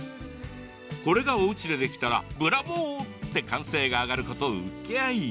これがおうちで出てきたらブラボー！って歓声が上がること請け合い。